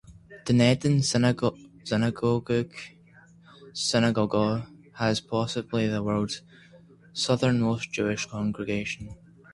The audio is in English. Dunedin synagogue has possibly the world's southernmost Jewish congregation.